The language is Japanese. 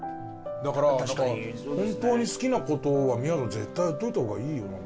だから本当に好きな事はみやぞん絶対やっておいた方がいいよ。